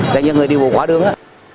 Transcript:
thế nhưng người đi bộ qua đường đó